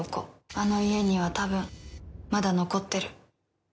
あの家には多分、まだ残ってる。